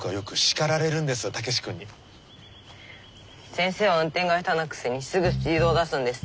先生は運転が下手なくせにすぐスピードを出すんです。